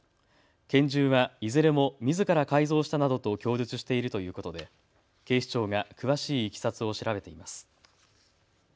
拳銃はいずれもみずから改造したなどと供述しているということで警視庁が詳しいいきさつを調べています。